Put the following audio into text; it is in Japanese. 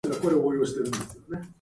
事業者による各戸へのポスティング